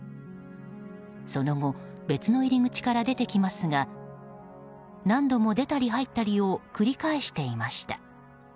その後、別の入り口から出てきますが何度も出たり入ったりを繰り返していました。